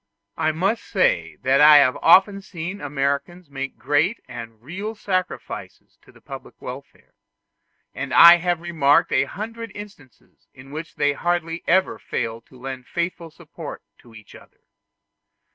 I must say that I have often seen Americans make great and real sacrifices to the public welfare; and I have remarked a hundred instances in which they hardly ever failed to lend faithful support to each other.